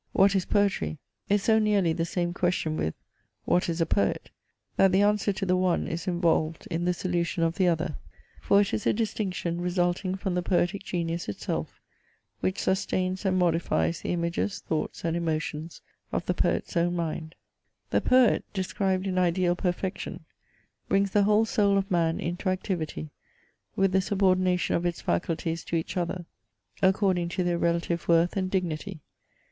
What is poetry? is so nearly the same question with, what is a poet? that the answer to the one is involved in the solution of the other. For it is a distinction resulting from the poetic genius itself, which sustains and modifies the images, thoughts, and emotions of the poet's own mind. The poet, described in ideal perfection, brings the whole soul of man into activity, with the subordination of its faculties to each other according to their relative worth and dignity.